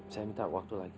saya udah kasih waktu kamu